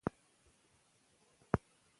زده کوونکي به سبا ازموینه ورکوي.